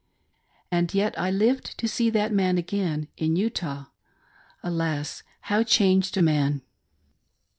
And yet I lived to see that man again, in Utah — a^^ how changed a man